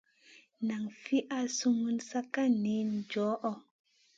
Nan fi al sumun sa ka niyn goyo.